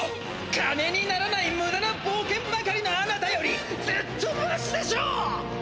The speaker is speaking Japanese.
金にならないむだなぼうけんばかりのあなたよりずっとマシでしょう！